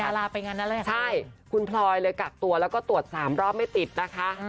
ลาไปงานนั้นเลยเหรอใช่คุณพลอยเลยกักตัวแล้วก็ตรวจ๓รอบไม่ติดนะคะ